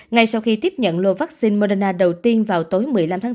ngay sau khi tiếp nhận lô vaccine moderna đầu tiên vào tối một mươi năm tháng bốn